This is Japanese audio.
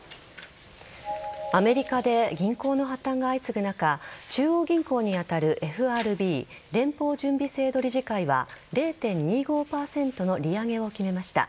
アメリカで銀行の破綻が相次ぐ中中央銀行に当たるＦＲＢ＝連邦準備制度理事会は０．２５％の利上げを決めました。